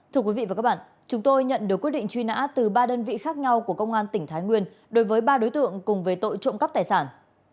thưa quý vị và các bạn chúng tôi nhận được quyết định truy nã từ ba đơn vị khác nhau của công an tỉnh thái nguyên đối với ba đối tượng cùng về tội trộm cắp tài sản